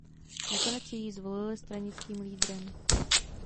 Nakonec jej zvolili stranickým lídrem.